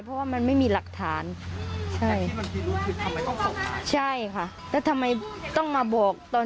เพราะว่ามันไม่มีหลักฐานใช่ค่ะแล้วทำไมต้องมาบอกตอน